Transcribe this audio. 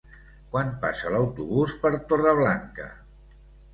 Quan passa l'autobús per Torreblanca?